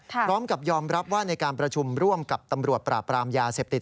พร้อมกับยอมรับว่าในการประชุมร่วมกับตำรวจปราบรามยาเสพติด